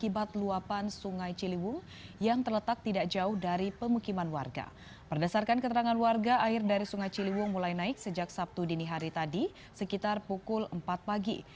berdasarkan keterangan warga air dari sungai ciliwung mulai naik sejak sabtu dini hari tadi sekitar pukul empat pagi